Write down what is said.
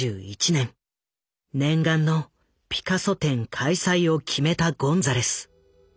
念願のピカソ展開催を決めたゴンザレス。